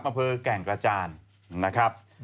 อำเภอแก่งกระจานนะครับ